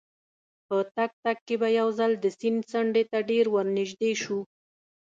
په تګ تګ کې به یو ځل د سیند څنډې ته ډېر ورنژدې شوو.